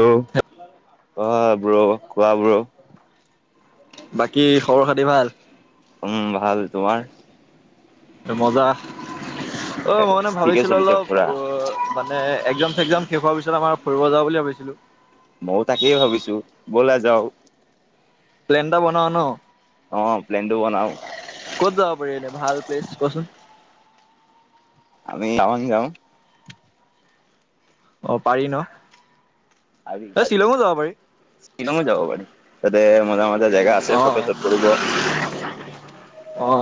Hello, কোৱা bro কোৱা bro? বাকী খবৰ খাতি ভাল? উম ভাল তোমাৰ? মজা। অ মই মানে ঠিকে ভাবিছিলো চলিছে অলপ পুৰা অ, মানে একজাম চেকজাম শেষ হোৱাৰ পি তাৰপিছত আমাৰ ফুৰিব যাও বুলি ভাবিছিলো। মইও তাকেই ভাবিছো, বলা যাওঁ। প্লেন এটা বনোৱা ন। অ প্লেনটো বনাও ক'ত যাব পাৰি এনে ভাল প্লেচ? কছোন? আমি টাৱাং যাম। অ পাৰি ন। হজ হ এ শ্বিলঙো যাব পাৰি শ্বিলং যাব পাৰি। অ দে। মজা মজা জেগা আছে অ চতে চত পৰিব। অহ।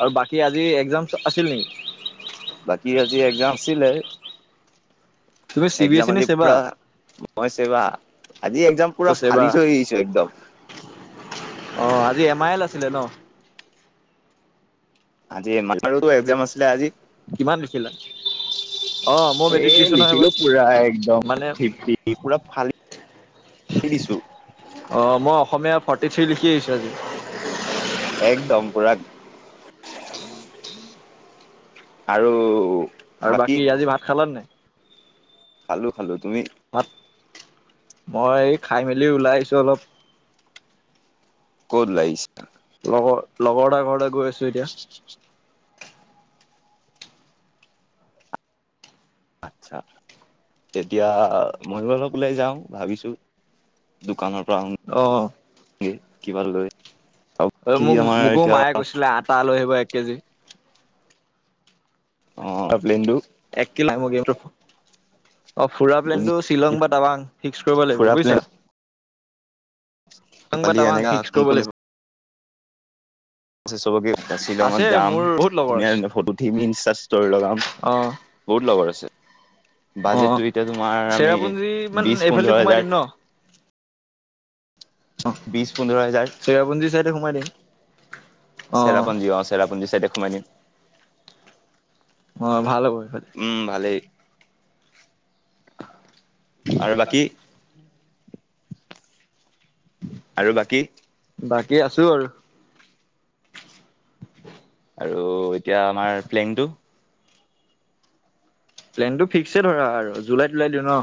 আৰু বাকী আজি একজামছ আছিল নেকি। বাকী আজি একজাম আছিলে। তুমি চি বি এছ একজাম ই নে আজি ছেবা পুৰা মই চেবা। আজি একজাম অ পুৰা ছেবা ফালিচ হৈ আহিছো একদম। অ এম আইল আছিলে ন? আজি মান একজাম আছিল আজি কিমান [unintelligible] মই এ মেট্ৰিক দিছো নহয় লিখিলো এইবাৰ পুৰা একদম মানে থৃপ্তি পুৰা ফালি দিছো। অ মই অসমীয়া ফৰ্টি থ্ৰী লিখি আহিছো আজি। একদম পূৰাক আৰু আৰু বাকী আজি ভাত খালান নাই খালো খালো তুমি ভাত মই খাই মেলি ওলাই আহিছো অলপ ক'ত ওলাই আহিছা লগৰ লগৰ এটা ঘৰ গৈ আছে গৈছোঁএতিয়া আচ্ছা এতিয়া মই অলপ ওলাই যাও ভাবিছো দোকানৰ আহ কি কিবা লয় অ মোক মোকো মায়ে কৈছিলে আটা লৈ আহিব এক কেজি অ প্লেটো এক কিলা মগে প্ৰফ অ ফুৰা প্লেন বুজি টো শ্বিলং বা তাৱং ফিক্স কৰিব লাগিব ফুৰা প্লেন বুজিছা সংবাদ পালি তাৱাং এনেকা ফিক্স কৰিব লাগিব ছে চবকে শ্বিলঙত আছে যাম মোৰ বহুত লগৰ ধুনীয়া আছে ধুনীয়া ফটো উঠিম ইনষ্টা ষ্টৰ লগাম অ বহুত লগৰ আছে অ বাজেটটো এতিয়া তোমাৰ আমি চেৰাপুঞ্জী মান বিশ এইফালেদি পোন্ধৰ সোমাই দিম হাজাৰ ন অ বিশ পোন্ধৰ হাজাৰ শেৰাপুঞ্জী চাইডে সোমাই দি চেৰাপুঞ্জী অ চেৰাপুঞ্জী চাইতে সোমাই দিম অ ভাল হ'ব সেইফালে উম ভালেই বাকী আৰু বাকী বাকী এই আছো আৰু। আৰু এতিয়া আমাৰ প্লেনটো প্লেন টো ফিক্সেই ধৰা আৰু জুলাই ওলাই দিওঁ ন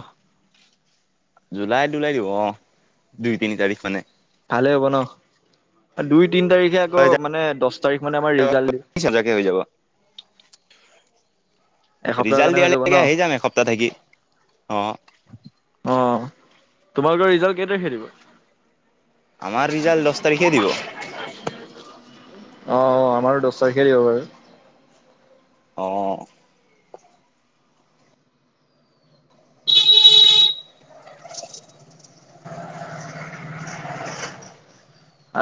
জুলাই ওলাই দিব অ দুই তিনি তাৰিখ মানে। ভালে হ'ব ন দুই তিনি তাৰিখে আকৌ মানে দহ তাৰিখ মানে আমাৰ ৰিজাল্ট দিব সজাকে হৈ যাব ৰিজাল্ট যাব দিয়ালৈকে ন আহি যাম এসপ্তাহ থাকি অ। অ তোমালোকৰ ৰিজাল্ট কেই তাৰিখে দিব। আমাৰ ৰিজাল্ট দহ তাৰিখে দিব। অ অ আমাৰো দহ তাৰিখে দিব বাৰু। অ।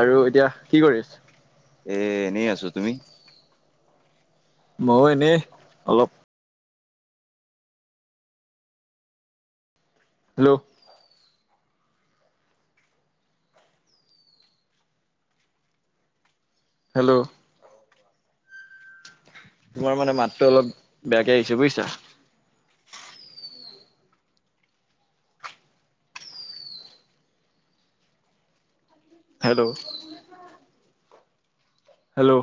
আৰু এতিয়া কি কৰিছ। এনে আছো তুমি। ময় এনেই অলপ। হেল্ল'। হেল্ল'। তোমাৰ মানে মাতটো অলপ বেয়াকে আহিছে বুজিছা। হেল্ল'। হেল্ল'।